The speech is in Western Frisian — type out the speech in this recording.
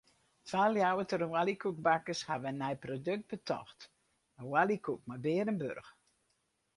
Twa Ljouwerter oaljekoekbakkers hawwe in nij produkt betocht: in oaljekoek mei bearenburch.